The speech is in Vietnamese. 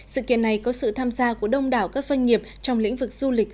sự kiện này có sự tham gia của đông đảo các doanh nghiệp trong lĩnh vực du lịch